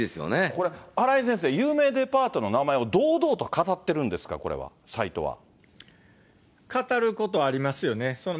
これ、荒井先生、有名デパートの名前を堂々とかたってるんですか、これは。かたることありますよね。